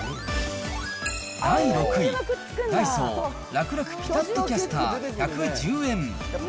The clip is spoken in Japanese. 第６位、ダイソーラクラクピタッとキャスター１１０円。